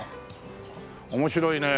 面白いね。